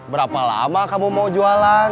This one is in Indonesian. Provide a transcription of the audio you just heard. berapa lama kamu mau jualan